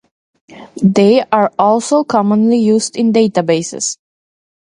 They are also commonly used in databases.